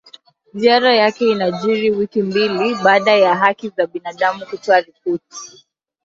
Ziara yake inajiri wiki mbili baada ya haki za binadamu kutoa ripoti